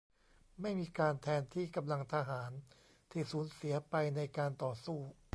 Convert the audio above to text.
ไม่มีการแทนที่กำลังทหารที่สูญเสียไปในการต่อสู้